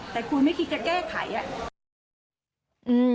แต่คุณไม่คิดจะแก้ไขอ่ะ